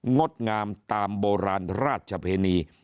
งดงามตามโบราณราชเพณี